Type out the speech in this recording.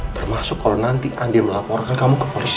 termasuk kalau nanti andi melaporkan kamu ke polisi